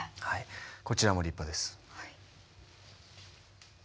こちらも立派です。